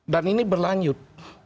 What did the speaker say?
dan ini berlanjut